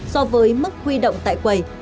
so với mức huy động tại quầy